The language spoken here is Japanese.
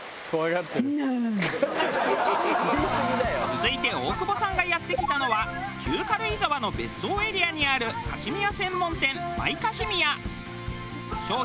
続いて大久保さんがやって来たのは旧軽井沢の別荘エリアにあるカシミヤ専門店マイカシミヤ。